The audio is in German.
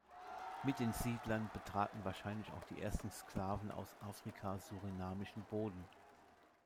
Mit den Siedlern betraten wahrscheinlich auch die ersten Sklaven aus Afrika surinamischen Boden.